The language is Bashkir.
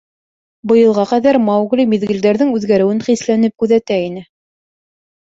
Быйылға ҡәҙәр Маугли миҙгелдәрҙең үҙгәреүен хисләнеп күҙәтә ине.